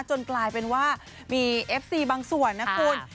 จนกลายเป็นว่ามีเอฟซีบางส่วนนะคุณ